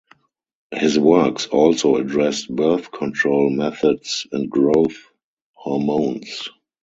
His works also addressed birth control methods and growth hormones.